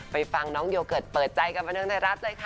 ไปฟังน้องโยเกิร์ตเปิดใจกับอันนั้นในรัฐเลยค่ะ